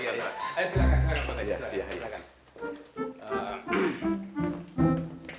eksplicasi dan nelayan